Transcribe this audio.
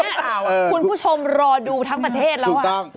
ข้อนี้คุณผู้ชมรอดูทั้งประเทศแม่วะถูกต้อง